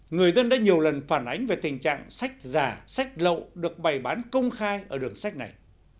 người dân đã nhiều lần phản ánh về tình trạng sách giả sách lậu được bày bán công khai ở đường sách này